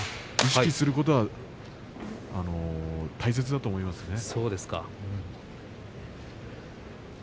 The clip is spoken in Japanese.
意識するということは大切だと思います。